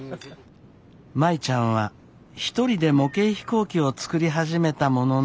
舞ちゃんは１人で模型飛行機を作り始めたものの。